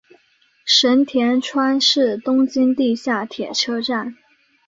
神田川是东京地下铁车站。